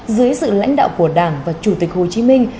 dưới sự lãnh đạo của đảng và chủ tịch hồ chí minh